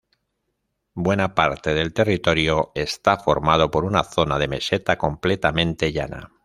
Buena parte del territorio está formado por una zona de meseta, completamente llana.